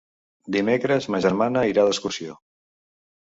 Dimecres ma germana irà d'excursió.